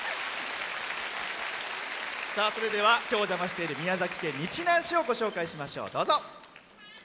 それでは今日お邪魔している宮崎県日南市をご紹介しましょう。